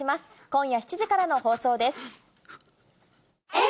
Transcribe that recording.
今夜７時からの放送です。